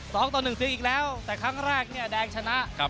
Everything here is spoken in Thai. ต่อหนึ่งเสียอีกแล้วแต่ครั้งแรกเนี่ยแดงชนะครับ